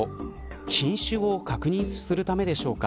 品種を確認するためでしょうか